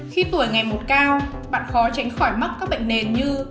khi tuổi ngày một cao bạn khó tránh khỏi mắc các bệnh nền như